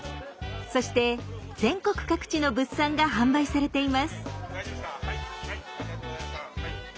そして全国各地の物産が販売されています。